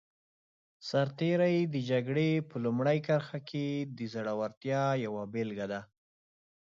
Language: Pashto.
سرتېری د جګړې په لومړي کرښه کې د زړورتیا یوه بېلګه دی.